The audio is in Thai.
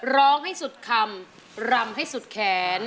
ร้องให้สุดคำรำให้สุดแขน